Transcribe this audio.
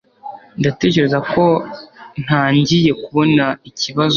Ndatekereza ko ntangiye kubona ikibazo hano